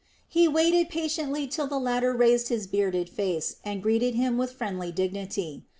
He waited patiently till the latter raised his bearded face and greeted him with friendly dignity.